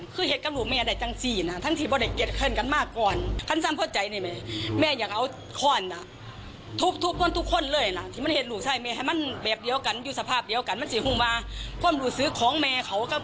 คือเหตุกับลูกแม่